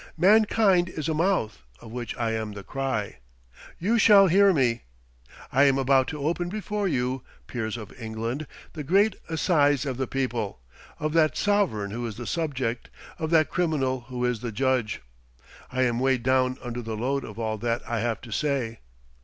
Mankind is a mouth, of which I am the cry. You shall hear me! I am about to open before you, peers of England, the great assize of the people; of that sovereign who is the subject; of that criminal who is the judge. I am weighed down under the load of all that I have to say.